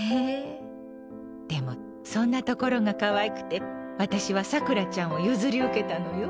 でも、そんなところが可愛くて私はさくらちゃんを譲り受けたのよ。